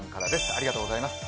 ありがとうございます。